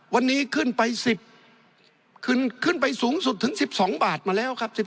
วันนี้ขึ้นไปสูงสุดถึง๑๒บาทมาแล้วครับ